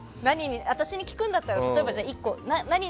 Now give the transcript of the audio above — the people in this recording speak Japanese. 私に聞くんだったら例えば１個。